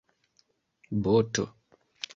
boto